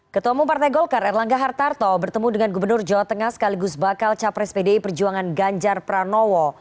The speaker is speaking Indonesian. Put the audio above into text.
ketua mumpartai golkar erlangga hartarto bertemu dengan gubernur jawa tengah sekaligus bakal capres pdi perjuangan ganjar pranowo